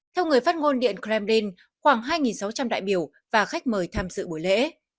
theo người phát ngôn điện kremlin khoảng hai sáu trăm linh đại biểu và khách mời tham dự buổi lễ